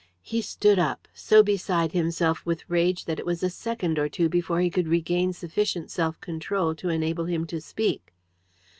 He stood up, so beside himself with rage that it was a second or two before he could regain sufficient self control to enable him to speak.